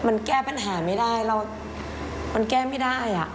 มันแก้ปัญหาไม่ได้มันแก้ไม่ได้อ่ะ